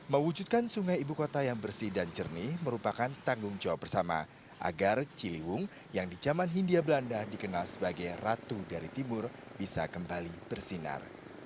mewujudkan sungai ibu kota yang bersih dan jernih merupakan tanggung jawab bersama agar ciliwung yang di zaman hindia belanda dikenal sebagai ratu dari timur bisa kembali bersinar